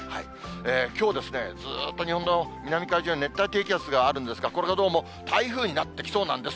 きょう、ずっと日本の南海上に熱帯低気圧があるんですが、これがどうも台風になってきそうなんです。